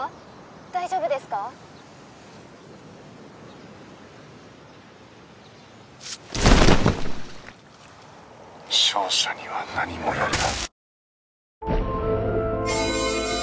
「大丈夫ですか？」「勝者には何もやるな」